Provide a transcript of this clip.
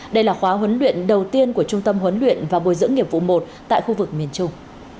đây là khóa huấn luyện đầu tiên của trung tâm huấn luyện và bồi dưỡng nghiệp vụ một tại khu vực miền trung